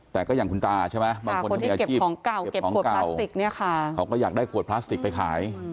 แต่ก็อย่างคุณตาบางคนมีอาชีพเขาก็อยากได้ขวดพลาสติกไปขาย